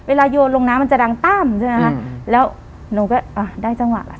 ไว้เวลาโยนลงน้ำมันจะดังต้ามใช่ไหมอืมอืมแล้วนูก็อ่ะได้จังหวะเธอ